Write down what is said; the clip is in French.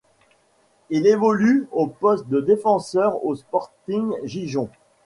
Il évolue au poste de défenseur au Sporting Gijón.